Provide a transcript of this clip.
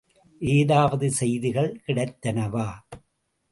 ஏதாவது செய்திகள் கிடைத்தனவா?